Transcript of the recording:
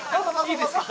いいですか？